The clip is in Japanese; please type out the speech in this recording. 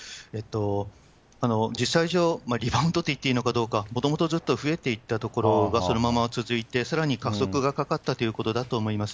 実際上、リバウンドといっていいのか、もともとずっと増えていったところがそのまま続いて、さらに加速がかかったということだと思います。